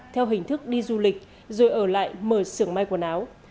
theo hình thức đi du lịch rồi ở lại mở xưởng may quần áo